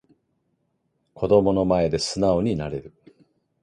子供の前で素直になれる